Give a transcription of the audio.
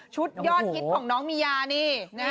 ยอดฮิตของน้องมียานี่